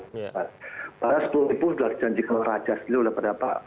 padahal sepuluh sudah dijanjikan raja